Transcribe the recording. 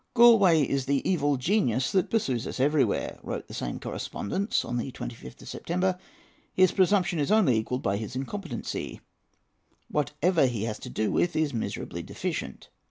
"Galloway is the evil genius that pursues us everywhere," wrote the same correspondents on the 25th of September; "his presumption is only equalled by his incompetency. Whatever he has to do with is miserably deficient.